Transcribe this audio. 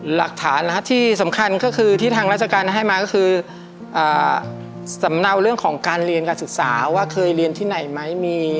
หลักฐานนะครับที่สำคัญก็คือที่ทางราชการให้มาก็คือสำเนาเรื่องของการเรียนการศึกษาว่าเคยเรียนที่ไหนไหม